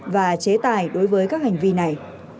và chế tài đối với các hành vi này